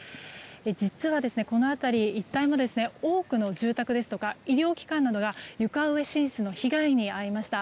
実は、この辺り一帯も多く住宅ですとか医療機関などが床上浸水の被害に遭いました。